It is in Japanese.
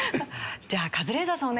じゃあカズレーザーさん